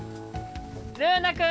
ルーナくん！